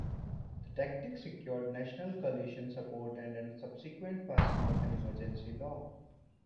The tactic secured National Coalition support and the subsequent passing of an emergency law.